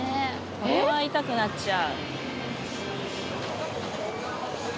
これは痛くなっちゃう。